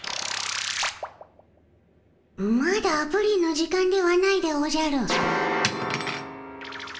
まだプリンの時間ではないでおじゃる。